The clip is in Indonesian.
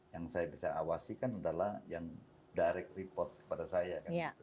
yang saya bisa awasi kan adalah yang direct report kepada saya